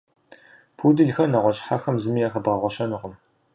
Пуделхэр нэгъуэщӏ хьэхэм зыми яхэбгъэгъуэщэнукъым.